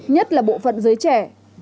nhất là bộ phận giới trẻ